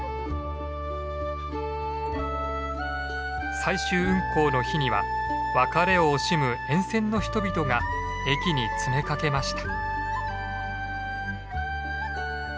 最終運行の日には別れを惜しむ沿線の人々が駅に詰めかけました。